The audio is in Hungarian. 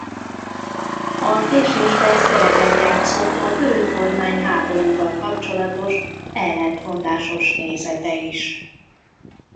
A késésben szerepet játszott a görög kormány háborúval kapcsolatos ellentmondásos nézete is.